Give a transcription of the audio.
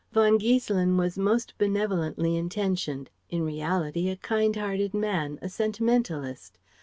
Von Giesselin was most benevolently intentioned, in reality a kind hearted man, a sentimentalist.